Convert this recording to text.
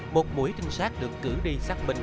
một mũi tinh sát được cử đi xác minh